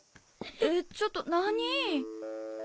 えちょっと何？